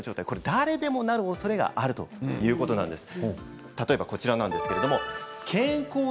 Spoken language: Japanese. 誰でもなるおそれがあるということです。